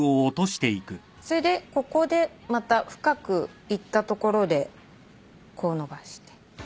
それでここでまた深くいったところでこう伸ばして。